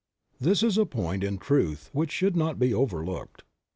This is a point in Truth which should not be overlooked.